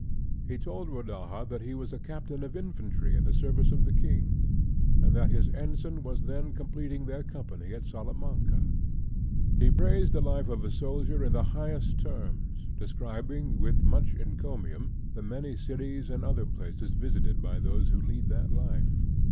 He told Rodaja that he was a captain of infantry in the service of the king, and that his ensign was then completing their company at Salamanca. He praised the life of a soldier in the highest terms, describing, with much encomium, the many cities and other places visited by those who lead that life.